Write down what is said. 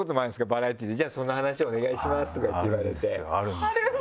バラエティーで「じゃあその話お願いします」とかって言われて。